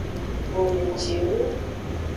Bomecinu.